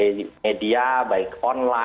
baik online chat talk media sosial media luar ruang